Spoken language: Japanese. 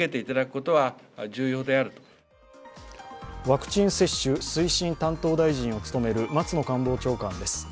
ワクチン接種推進担当大臣を務める松野官房長官です。